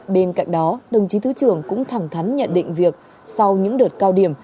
bên cạnh đó đồng chí thứ trưởng cũng thẳng thắn nhận định việc sau những đợt cao điểm